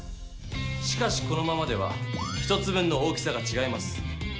しかしこのままでは１つ分の大きさがちがいます。